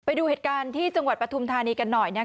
ไปดูเหตุการณ์ที่จังหวัดปฐุมธานีกันหน่อย